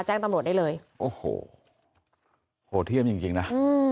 แจ้งตำรวจได้เลยโอ้โหโหดเยี่ยมจริงจริงนะอืม